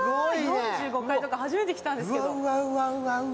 ４５階とか初めてきたんですけど。